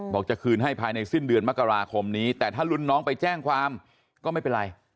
จะคืนให้ภายในสิ้นเดือนมกราคมนี้แต่ถ้ารุ่นน้องไปแจ้งความก็ไม่เป็นไร